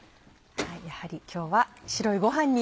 やはり今日は白いご飯に。